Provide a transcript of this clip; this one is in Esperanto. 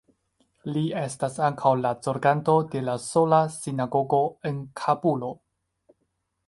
Li estas ankaŭ la zorganto de la sola sinagogo en Kabulo.